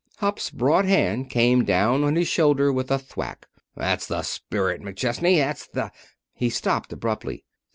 Hupp's broad hand came down on his shoulder with a thwack. "That's the spirit, McChesney! That's the " He stopped, abruptly.